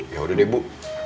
ya udah deh bu